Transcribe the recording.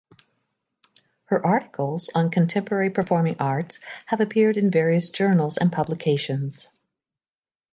Her articles on contemporary performing arts have appeared in various journals and publications.